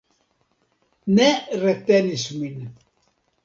Ne retenis min.